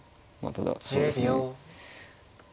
ただそうですね